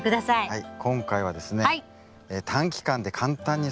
はい。